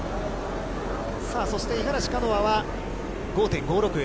そして、五十嵐カノアは５．５６。